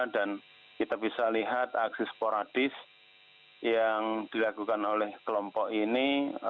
kita bisa lihat aksi sporadis yang dilakukan oleh kelompok ini